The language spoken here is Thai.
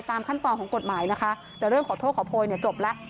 ตามขั้นตอนของกฎหมายนะคะแต่เรื่องขอโทษขอโพยเนี่ยจบแล้ว